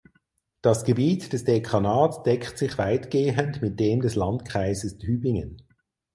Das Gebiet des Dekanats deckt sich weitgehend mit dem des Landkreises Tübingen.